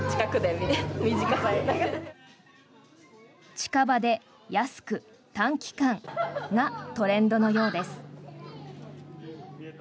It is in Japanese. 近場で安く短期間がトレンドのようです。